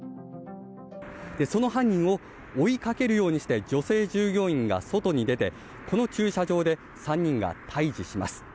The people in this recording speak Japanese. その犯人を追いかけるようにして女性従業員が外に出てこの駐車場で３人が対峙します。